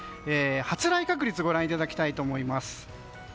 発雷確率をご覧いただきたいと思います。